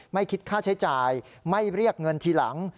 ไม่คิดค่าใช้จ่ายไม่เรียกเงินทีหลัง